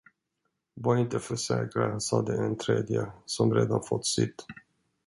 Var inte för säkra, sade en tredje, som redan fått sitt.